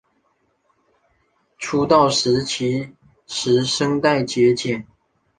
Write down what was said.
出道时其实声带结茧。